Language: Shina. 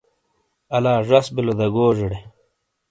الا زش بِلو دا گوزیڑے